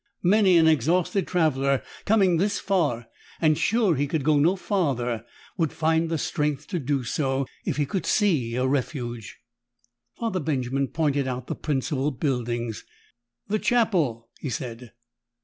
Many an exhausted traveler, coming this far and sure he could go no farther, would find the strength to do so if he could see a refuge. Father Benjamin pointed out the principal buildings. "The chapel," he said.